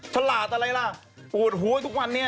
ฉลาดอะไรล่ะปวดหัวทุกวันนี้